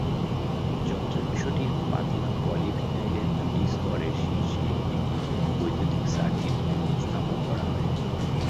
যন্ত্রাংশটির পাতলা পলিভিনাইলের দুটি স্তরের শীর্ষে একটি বৈদ্যুতিক সার্কিট স্থাপন করা হয়।